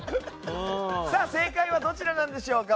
正解はどちらなんでしょうか。